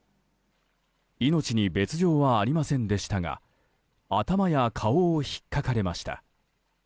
命に別条はありませんでしたが頭や顔を引っかかれました。